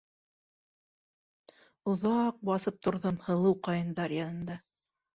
Оҙаҡ баҫып торҙом һылыу ҡайындар янында.